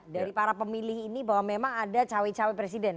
dari para pemilih ini bahwa memang ada cawe cawe presiden